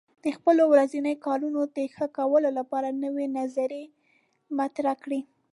د خپلو ورځنیو کارونو د ښه کولو لپاره نوې نظریې مطرح کړئ.